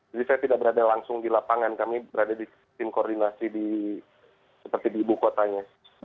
jadi saya tidak berada langsung di lapangan kami berada di tim koordinasi seperti di ibu kotanya